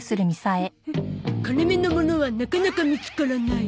金目のものはなかなか見つからない。